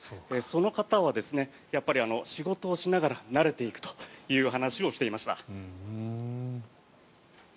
その方はやっぱり仕事をしながら慣れていくという話をしていました。